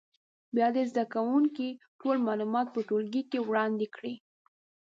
بیا دې زده کوونکي ټول معلومات په ټولګي کې وړاندې کړي.